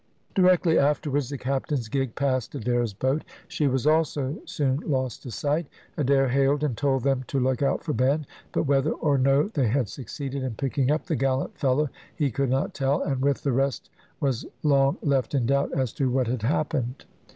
Directly afterwards the captain's gig passed Adair's boat. She was also soon lost to sight. Adair hailed and told them to look out for Ben; but whether or no they had succeeded in picking up the gallant fellow he could not tell, and with the rest was long left in doubt as to what had happened.